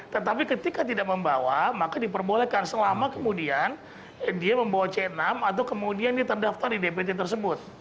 tetapi ketika tidak membawa maka diperbolehkan selama kemudian dia membawa c enam atau kemudian dia terdaftar di dpt tersebut